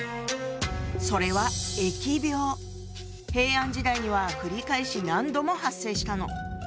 それは平安時代には繰り返し何度も発生したの。